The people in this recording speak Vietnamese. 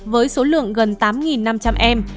với số lượng gần tám năm trăm linh em